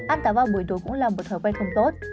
ăn táo vào buổi tối cũng là một thói quen không tốt